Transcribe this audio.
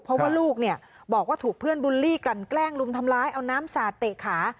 เพราะว่าลูกเนี่ยบอกว่าถูกเพื่อนบุลลี่กันแกล้งรุมทำร้ายเอาน้ำสาดเตะขา